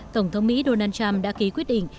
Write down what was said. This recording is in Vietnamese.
tổng thống mỹ donald trump đã ký quyết định